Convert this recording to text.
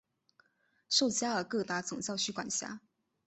受加尔各答总教区管辖。